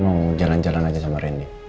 mau jalan jalan aja sama randy